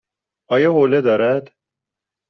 آیا حوله دارد؟